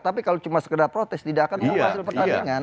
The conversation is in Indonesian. tapi kalau cuma sekedar protes tidak akan bawa hasil pertandingan